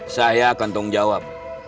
saya akan tanggung jawab